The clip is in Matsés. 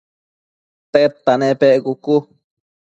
tedta nepec?cucu